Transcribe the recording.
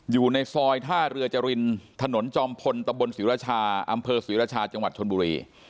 อยู่ในซอยท่าเรือจรินถนนจอมพลตศรีรชาอศรีรชาจชนบุรี